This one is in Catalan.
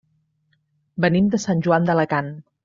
Venim de Sant Joan d'Alacant.